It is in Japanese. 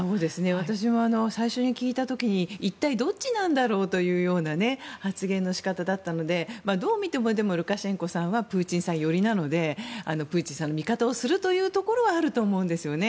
私も最初に聞いた時に一体どっちなんだろうという発言の仕方だったのでどう見ても、ルカシェンコさんはプーチンさん寄りなのでプーチンさんの味方をするところはあると思うんですよね。